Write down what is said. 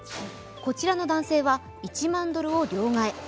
こちらの男性は１万ドルを両替。